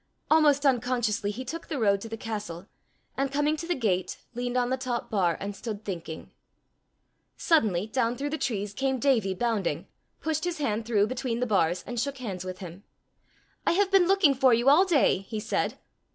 Almost unconsciously he took the road to the castle, and coming to the gate, leaned on the top bar, and stood thinking. Suddenly, down through the trees came Davie bounding, pushed his hand through between the bars, and shook hands with him. "I have been looking for you all day," he said.